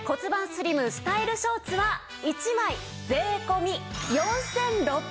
スリムスタイルショーツは１枚税込４６８０円です。